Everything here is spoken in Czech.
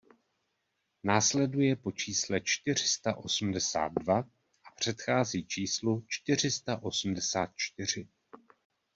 Následuje po čísle čtyři sta osmdesát dva a předchází číslu čtyři sta osmdesát čtyři.